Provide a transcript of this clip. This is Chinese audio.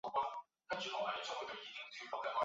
粉丝名为甜酒。